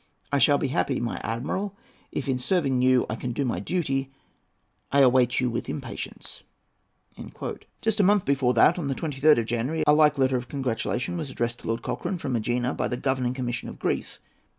I shall be happy, my admiral, if, in serving you, I can do my duty. I await you with impatience." Just a month before that, on the 23rd of January, a like letter of congratulation was addressed to Lord Cochrane from Egina by the Governing Commission of Greece.